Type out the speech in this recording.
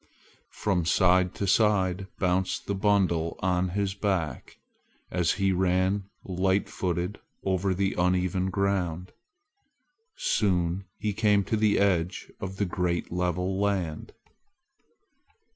From side to side bounced the bundle on his back, as he ran light footed over the uneven ground. Soon he came to the edge of the great level land.